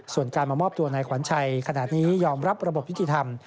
ส่วนการมามอบตัวนายขวัญชัยขนาดนี้ยอมรับระบบยุติธรรม